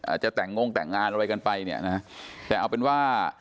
อาจจะแต่งงงแต่งงานอะไรกันไปแต่เอาเป็นว่า